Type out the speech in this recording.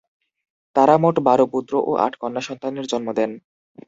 তারা মোট বারো পুত্র ও আট কন্যা সন্তানের জন্ম দেন।